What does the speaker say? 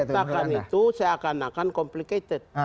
itu seakan akan complicated